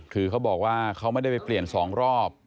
คือเขาบอกว่าเขาไม่ได้ไปเปลี่ยน๒รอบ